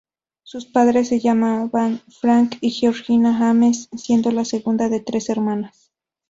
Sus padres se llamaban Frank y Georgina Ames, siendo la segunda de tres hermanas.